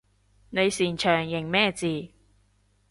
你擅長認咩字？